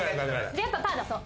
やっぱパー出そう。